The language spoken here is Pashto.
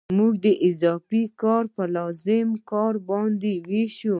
موږ اضافي کار په لازم کار باندې وېشو